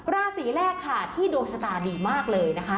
ราศีแรกค่ะที่ดวงชะตาดีมากเลยนะคะ